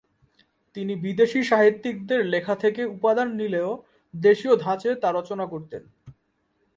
তিনি বিদেশি সাহিত্যিকদের লেখা থেকে উপাদান নিলেও দেশীয় ধাঁচে তা রচনা করতেন।